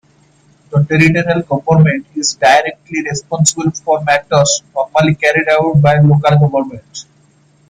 The territorial government is directly responsible for matters normally carried out by local government.